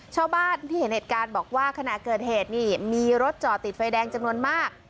ชาวบ้านที่เห็นเหตุการณ์บอกว่าขณะเกิดเหตุนี่มีรถจอดติดไฟแดงจำนวนมาก